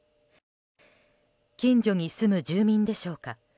近所に住む住民でしょうか。